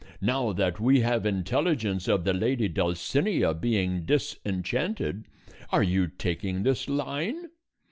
Now that we have intelligence of the lady Dulcinea being disenchanted, are you taking this line?